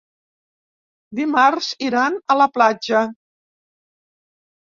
Dimarts iran a la platja.